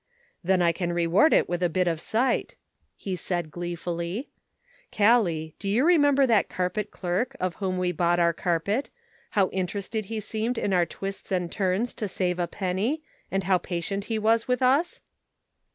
" Then I can reward it with a bit of sight," he said, gleefully. " Gallic, do you remember that carpet clerk of whom we bought our carpet, how interested he seemed in our twists and turns to save a penny, aud how patient he was with us